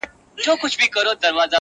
په هډوکو او په غوښو دایم موړ ؤ-